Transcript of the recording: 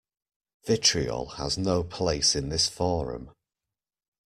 Vitriol has no place in this forum.